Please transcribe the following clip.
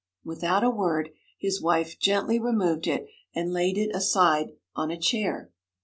Without a word, his wife gently removed it, and laid it aside on a chair.